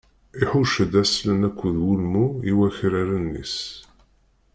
Iḥucc-d aslen akked wulmu i wakraren-is.